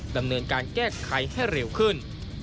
ดำเนินการแก้ไขให้เร็วขึ้น